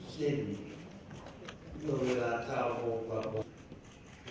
สิ่งที่โดยเวลาเท่าโหกกว่าบอก